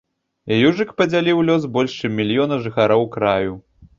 Южык падзяліў лёс больш чым мільёна жыхароў краю.